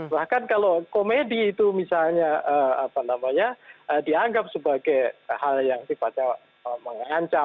bahkan kalau komedi itu misalnya dianggap sebagai hal yang sifatnya mengancam